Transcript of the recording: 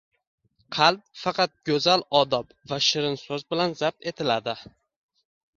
Qalb faqat go‘zal odob va shirin so‘z bilan zabt etiladi.